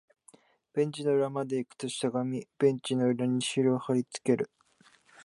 ベンチの裏まで行くと、しゃがみ、ベンチの裏にシールを貼り付ける